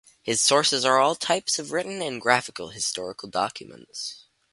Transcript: His sources are all types of written and graphical historical documents.